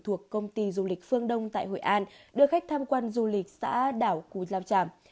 thuộc công ty du lịch phương đông tại hội an đưa khách tham quan du lịch xã đảo cù lao tràm